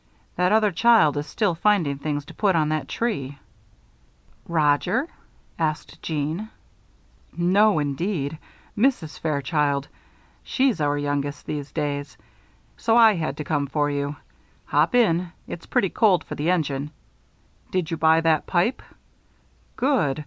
"That other child is still finding things to put on that tree." "Roger?" asked Jeanne. "No, indeed. Mrs. Fairchild she's our youngest, these days. So I had to come for you. Hop in it's pretty cold for the engine. Did you buy that pipe? Good!